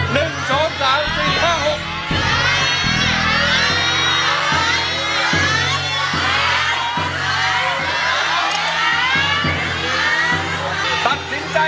ตัดสินใจให้ดีนะครับ